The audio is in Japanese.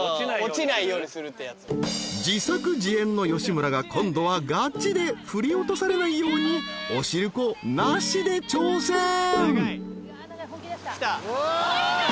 ［自作自演の吉村が今度はガチで振り落とされないようにおしるこなしで挑戦］きた。